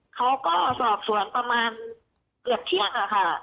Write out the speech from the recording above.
เขาก็สอบสวนประมาณเกือบเที่ยงค่ะ